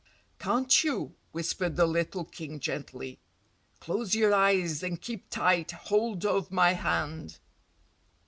"Can't you?" whispered the little King gently. "Close your eyes and keep tight hold of my hand."